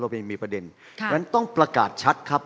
ไม่มีประเด็นนั้นต้องประกาศชัดครับ